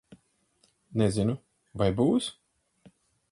Nezinu. Vai būs?